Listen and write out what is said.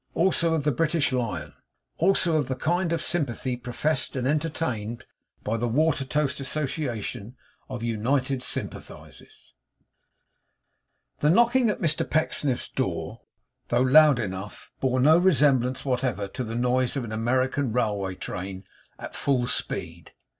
ALSO OF THE BRITISH LION. ALSO OF THE KIND OF SYMPATHY PROFESSED AND ENTERTAINED BY THE WATERTOAST ASSOCIATION OF UNITED SYMPATHISERS The knocking at Mr Pecksniff's door, though loud enough, bore no resemblance whatever to the noise of an American railway train at full speed.